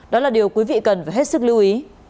đó là điều quý vị cần phải hết sức lưu ý